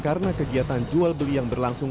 karena kegiatan jual beli yang berlangsung